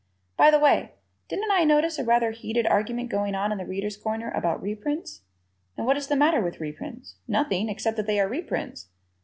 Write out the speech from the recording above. By the way, didn't I notice a rather heated argument going on in "The Readers' Corner" about reprints? And what is the matter with reprints? Nothing, except that they are reprints.